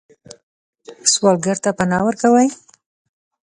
سوالګر ته پناه ورکوئ